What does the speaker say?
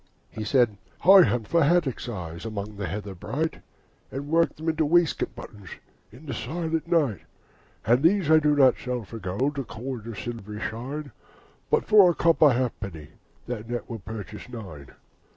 He said, 'I hunt for haddocks' eyes Among the heather bright, And work them into waistcoat buttons In the silent night. And these I do not sell for gold Or coin of silvery shine, But for a copper halfpenny, And that will purchase nine.